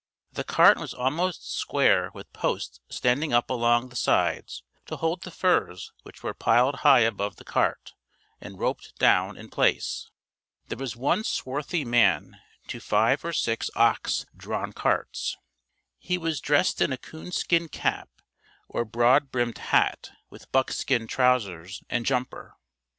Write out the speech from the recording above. The cart was almost square with posts standing up along the sides to hold the furs which were piled high above the cart and roped down in place. There was one swarthy man to five or six ox drawn carts. He was dressed in a coonskin cap or broad brimmed hat with buckskin trousers and jumper.